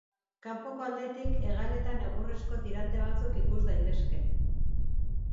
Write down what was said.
Kanpoko aldetik hegaletan egurrezko tirante batzuk ikus daitezke.